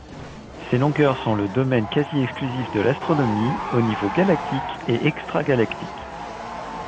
Ces longueurs sont le domaine quasi exclusif de l'astronomie, au niveau galactique et extragalactique.